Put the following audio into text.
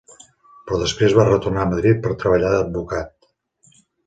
Però després va retornar a Madrid per treballar d'advocat.